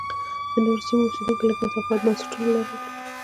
د نورو سیمو اوسېدونکو لږ متفاوت بنسټونه لرل